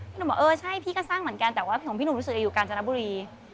หนุ่มบอกเออใช่พี่ก็สร้างเหมือนกันแต่ว่าของพี่หนุ่มรู้สึกจะอยู่กาญจนบุรี